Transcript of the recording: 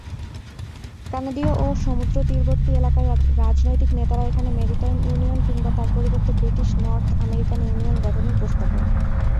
কানাডীয় ও সমুদ্রতীরবর্তী এলাকার রাজনৈতিক নেতারা এখানে মেরিটাইম ইউনিয়ন কিংবা তার পরিবর্তে ব্রিটিশ নর্থ আমেরিকান ইউনিয়ন গঠনের প্রস্তাব দেন।